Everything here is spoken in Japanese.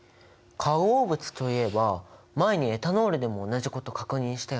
化合物といえば前にエタノールでも同じこと確認したよね。